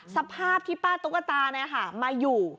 สภาพที่ป้าตุ๊กตามาอยู่